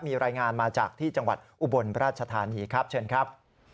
มีรายงานมาจากที่จังหวัดอุบลราชธานีครับเชิญครับ